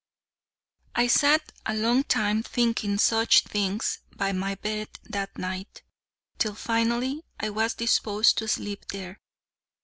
I sat a long time thinking such things by my bed that night, till finally I was disposed to sleep there.